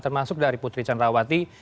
termasuk dari putri candrawati